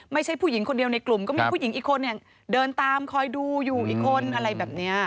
ไม่ใช่ผู้หญิงคนเดียวในกลุ่มก็มีผู้หญิงอีกคนเนี่ยเดินตามคอยดูอยู่อีกคนอะไรแบบนี้